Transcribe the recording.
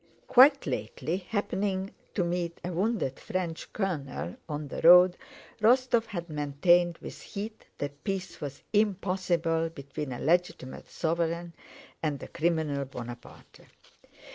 Quite lately, happening to meet a wounded French colonel on the road, Rostóv had maintained with heat that peace was impossible between a legitimate sovereign and the criminal Bonaparte.